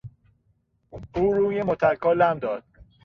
او روی متکا لم داد.